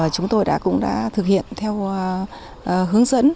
chúng tôi cũng đã thực hiện theo hướng dẫn